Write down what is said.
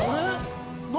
何？